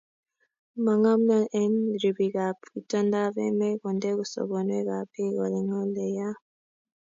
Mo ngomnon eng ribikap itondap emet konde sobonwekab bik eng Ole ya